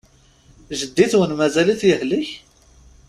Jeddi-twen mazal-it yehlek?